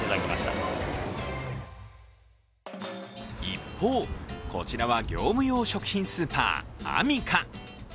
一方、こちらは業務用食品スーパー、アミカ。